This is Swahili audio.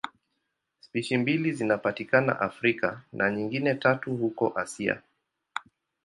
Spishi mbili zinapatikana Afrika na nyingine tatu huko Asia.